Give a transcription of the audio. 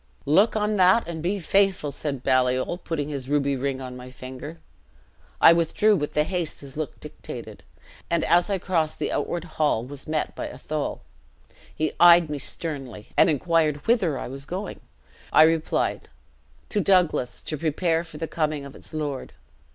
"'Look on that, and be faithful!' said Baliol, putting this ruby ring on my finger. I withdrew, with the haste his look dictated; and as I crossed the outward hall, was met by Athol. He eyed me sternly, and inquired whither I was going. I replied, 'To Douglas, to prepare for the coming of its lord.'